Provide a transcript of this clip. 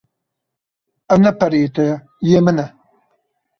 Ev ne pereyê te ye, yê min e.